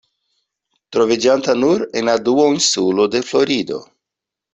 Troviĝanta nur en la duoninsulo de Florido.